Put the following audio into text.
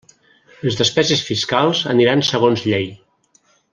Les despeses fiscals aniran segons llei.